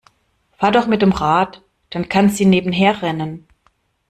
Fahr doch mit dem Rad, dann kann sie nebenher rennen.